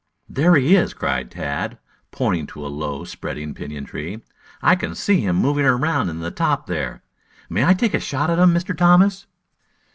"There he is!" cried Tad, pointing to a low spreading pinyon tree. "I can see him moving around in the top there. May I take a shot at him, Mr. Thomas?"